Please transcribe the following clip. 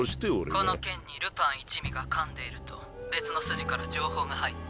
この件にルパン一味がかんでいると別の筋から情報が入った。